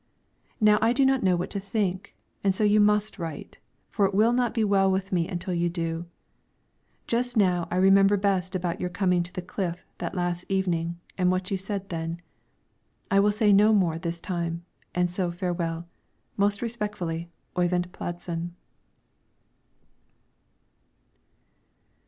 Now I do not know what to think, and so you must write, for it will not be well with me until you do. Just now I remember best about your coming to the cliff that last evening and what you said then. I will say no more this time, and so farewell. Most respectfully, OYVIND PLADSEN.